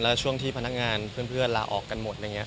และช่วงที่พนักงานเพื่อนลาออกกันหมด